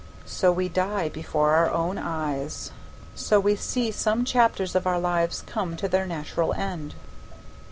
So we die before our own eyes; so we see some chapters of our lives come to their natural end.